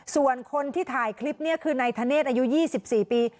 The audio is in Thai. ส่วนคนที่ถ่ายคลิปนี่คือนายธเนธอายุ๒๔ปี